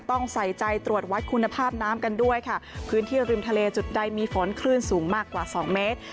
ต้องใส่ใจตรวจวัดคุณภาพน้ำกันด้วยค่ะพื้นที่ริมทะเลจุดใดมีฝนคลื่นสูงมากกว่าสองเมตร